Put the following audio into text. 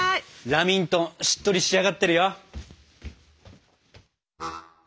ラミントンしっとり仕上がってるよ！